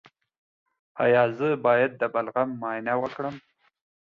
ایا زه باید د بلغم معاینه وکړم؟